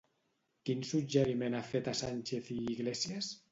Quin suggeriment ha fet a Sánchez i Iglesias?